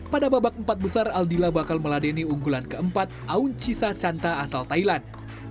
pada babak empat besar aldila bakal meladeni unggulan ke empat aung chisa chanta asal thailand